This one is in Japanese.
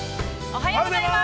◆おはようございます。